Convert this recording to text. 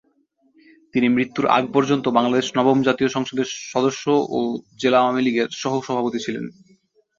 তিনি মৃত্যুর আগ পর্যন্ত বাংলাদেশ নবম জাতীয় সংসদের সদস্য ও জেলা আওয়ামী লীগের সহ সভাপতি ছিলেন।